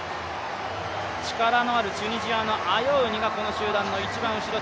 力のあるチュニジアのアヨウニがこの集団の一番後ろ。